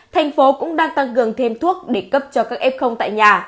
thành phố cũng đang tăng cường thêm thuốc để cấp cho các f tại nhà